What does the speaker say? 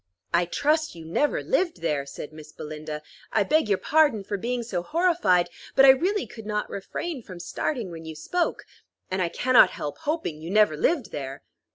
"I trust you never lived there," said Miss Belinda. "I beg your pardon for being so horrified, but I really could not refrain from starting when you spoke; and I cannot help hoping you never lived there."